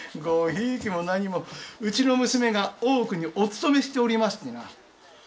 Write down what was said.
ごひいきも何もうちの娘が大奥にお勤めしておりましてな。